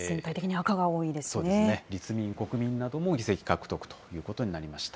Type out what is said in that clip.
そうですね、立民、国民なども議席獲得ということになりました。